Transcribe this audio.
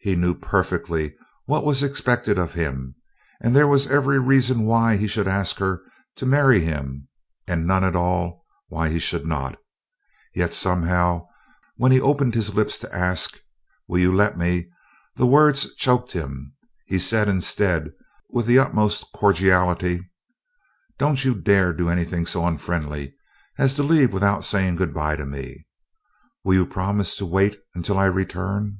He knew perfectly what was expected of him, and there was every reason why he should ask her to marry him, and none at all why he should not, yet somehow when he opened his lips to ask, "Will you let me?" the words choked him. He said, instead, with the utmost cordiality: "Don't you dare do anything so unfriendly as to leave without saying good bye to me. Will you promise to wait until I return?"